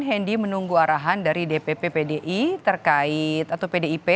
hendi menunggu arahan dari dpp pdi terkait atau pdip